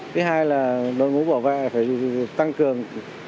thứ hai là đội ngũ bảo vệ phải tăng cường